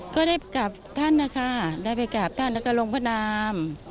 ก็ได้กราบท่านนะคะได้ไปกราบท่านแล้วก็ลงพระนาม